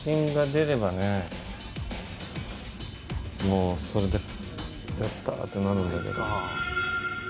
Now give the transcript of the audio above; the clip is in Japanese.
もうそれでやった！ってなるんだけど。